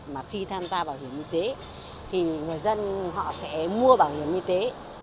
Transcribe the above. mà khi tham gia bảo hiểm y tế thì người dân họ sẽ mua bảo hiểm y tế